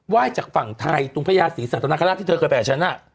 ยจากฝั่งไทยตรงพญาศรีสัตนคราชที่เธอเคยไปกับฉัน